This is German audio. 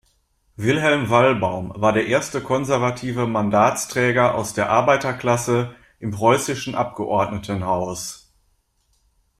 Wilhelm Wallbaum war der erste konservative Mandatsträger aus der Arbeiterklasse im Preußischen Abgeordnetenhaus.